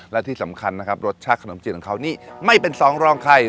และที่สำคัญนะครับรสชาติขนมจีนของเขานี่ไม่เป็นสองรองใคร